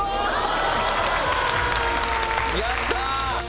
やったー